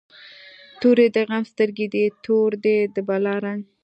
توری د غم سترګی دي، تور دی د بلا رنګ